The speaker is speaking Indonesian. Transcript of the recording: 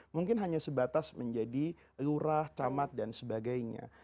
mungkin hanya sebatas menjadi lurah camat dan sebagainya